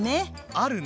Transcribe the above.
あるね。